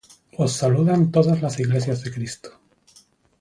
Os saludan todas las iglesias de Cristo.